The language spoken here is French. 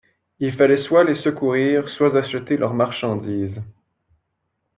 Il fallait soit les secourir, soit acheter leurs marchandises.